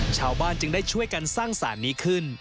ชาวบ้านจึงได้ช่วยกันสร้างสารนี้ขึ้น